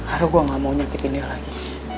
aduh gue gak mau nyakitin dia lagi